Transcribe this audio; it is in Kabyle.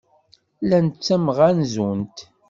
Llant ttemɣanzunt.